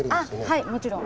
はいもちろん。